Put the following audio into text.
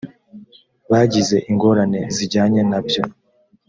bagize ingorane zijyanye na byo